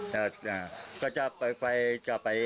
แล้วก็จะไปปะโถงอาไว้ถ้วย